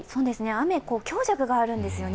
雨、強弱があるんですよね。